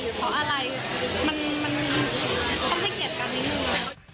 มันต้องให้เกียรติกันนิดหนึ่ง